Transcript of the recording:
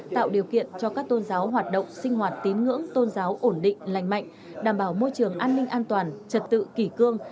tạo điều kiện cho các tôn giáo hoạt động sinh hoạt tín ngưỡng tôn giáo ổn định lành mạnh đảm bảo môi trường an ninh an toàn trật tự kỷ cương